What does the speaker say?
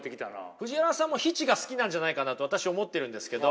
藤原さんも非−知が好きなんじゃないかなと私思ってるんですけど。